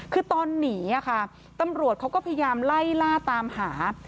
คือตอนหนีค่ะตำรวจเขาก็พยายามไล่ล่าตามหา